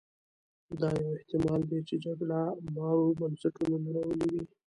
دا یو احتما ل دی چې جګړه مارو بنسټونه نړولي وي.